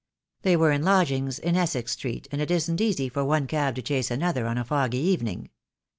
They were in lodgings in Essex Street, and it isn't easy for one cab to chase another on a foggy evening.